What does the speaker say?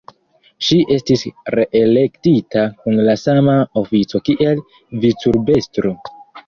Ŝi estis reelektita kun la sama ofico kiel vicurbestro.